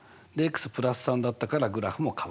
＋３だったからグラフも変わると。